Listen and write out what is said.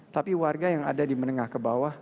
tapi warga yang ada di menengah ke bawah